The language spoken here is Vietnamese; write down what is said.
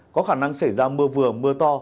có khả năng xảy ra mưa vừa mưa to